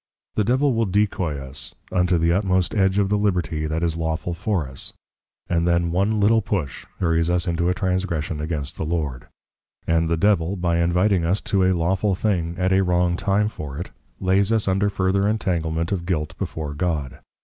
The Devil will decoy us, unto the utmost Edge of the Liberty that is Lawful for us; and then one Little push, hurries us into a Transgression against the Lord. And the Devil by Inviting us to a Lawful thing, at a wrong time for it, Layes us under further Entanglement of Guilt before God.